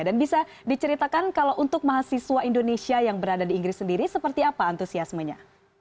bisa diceritakan kalau untuk mahasiswa indonesia yang berada di inggris sendiri seperti apa antusiasmenya